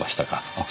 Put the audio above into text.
あっ